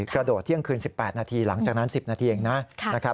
กระโดดเที่ยงคืน๑๘นาทีหลังจากนั้น๑๐นาทีเองนะครับ